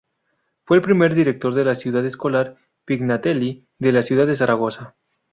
Fue el primer director de la Ciudad Escolar Pignatelli de la ciudad de Zaragoza.